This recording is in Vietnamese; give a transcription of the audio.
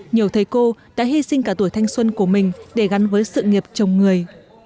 nhiều thầy cô đã hy sinh cả tuổi thanh xuân của mình để gắn với sự nghiệp chồng người